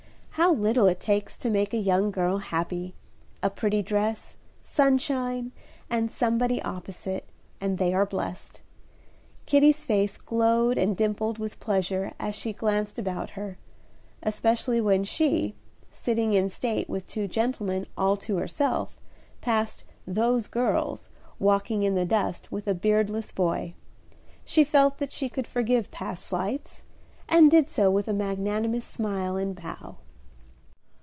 How little it takes to make a young girl happy! A pretty dress, sunshine, and somebody opposite, and they are blest. Kitty's face glowed and dimpled with pleasure as she glanced about her, especially when she, sitting in state with two gentlemen all to herself, passed "those girls" walking in the dust with a beardless boy; she felt that she could forgive past slights, and did so with a magnanimous smile and bow.